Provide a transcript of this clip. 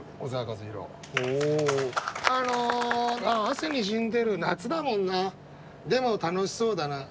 汗にじんでる夏だもんなでも楽しそうだな。